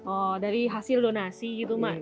oh dari hasil donasi gitu mak